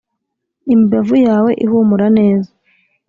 Imibavu yawe ihumura neza